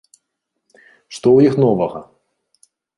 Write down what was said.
Што ў іх новага?